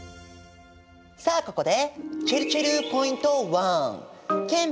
さあここでちぇるちぇるポイント１。